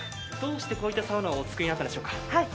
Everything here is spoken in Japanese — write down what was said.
どうしてこういったサウナをお作りになったんでしょうか？